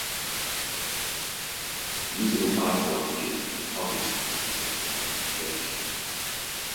Useable parts are cleaned, refurbished, and put into inventory.